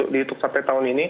di ituk sampai tahun ini